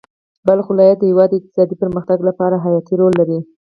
بلخ ولایت د هېواد د اقتصادي پرمختګ لپاره حیاتي رول لري.